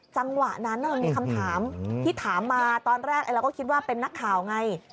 จังหวะนั้นมันมีคำถามที่ถามมาตอนแรกเราก็คิดว่าเป็นนักข่าวไง